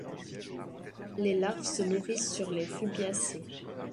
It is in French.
Les larves se nourrissent sur les Rubiacées.